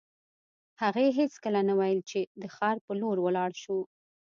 هغې هېڅکله نه ویل چې د ښار په لور ولاړ شو